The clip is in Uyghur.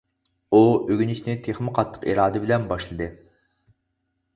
ئۇ ئۆگىنىشنى تېخىمۇ قاتتىق ئىرادە بىلەن باشلىدى.